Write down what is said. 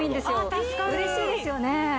助かるうれしいですよね